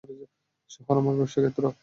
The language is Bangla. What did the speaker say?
শহর আমার ব্যবসা ক্ষেত্র।